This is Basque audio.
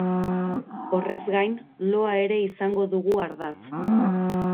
Horrez gain, loa ere izango dugu ardatz.